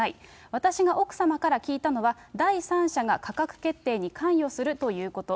私が奥様から聞いたのは、第三者が価格決定に関与するということ。